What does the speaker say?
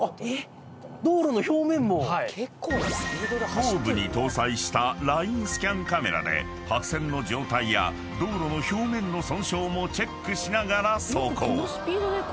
［後部に搭載したラインスキャンカメラで白線の状態や道路の表面の損傷もチェックしながら走行］